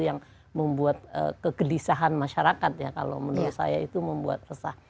yang membuat kegelisahan masyarakat ya kalau menurut saya itu membuat resah